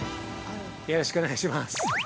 ◆よろしくお願いします。